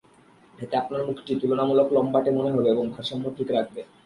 এতে আপনার মুখটি তুলনামূলক লম্বাটে মনে হবে এবং ভারসাম্য ঠিক রাখবে।